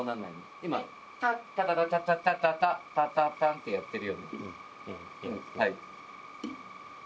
今、タ、タタタタン、タタタンってやってるよね。